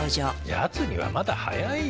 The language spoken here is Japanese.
やつにはまだ早いよ。